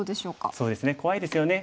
そうですね怖いですよね。